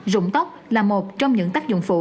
dụng tóc là một trong những tác dụng phụ